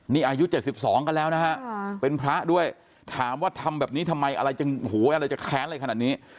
นี่อายุ๗๒กันแล้วนะฮะเป็นพระด้วยถามว่าทำแบบนี้ทำไมอะไรจะหูยอะไรจะแค้นอะไรขนาดนี้